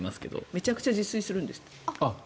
めちゃくちゃ自炊するんですよね。